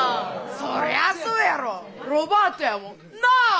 そりゃそうやろロバートやもんな。